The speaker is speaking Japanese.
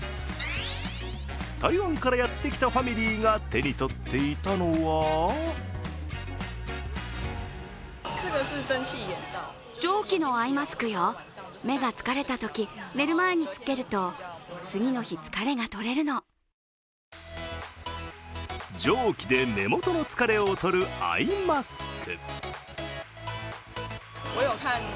台湾からやってきたファミリーが手に取っていたのは蒸気で目元の疲れをとるアイマスク。